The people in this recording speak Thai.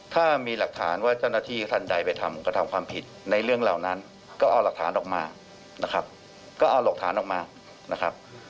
ถ้ามีหลักฐานว่าเจ้าหน้าที่ท่านใดไปทำกระทำความผิดในเรื่องเหล่านั้นก็เอาหลักฐานออกมานะครับ